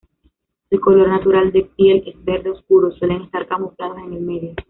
Su color natural de piel es verde oscuro, suelen estar camuflados en el medio.